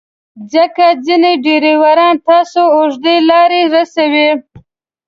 ځکه ځینې ډریوران تاسو اوږدې لارې رسوي.